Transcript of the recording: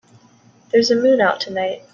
There's a moon out tonight.